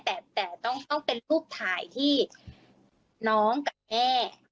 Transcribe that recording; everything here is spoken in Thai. แต่ต้องเป็นรูปถ่ายที่น้องกับแม่